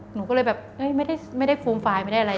หนูก็เลยแบบไม่ได้ฟูมไฟล์ไม่ได้อะไร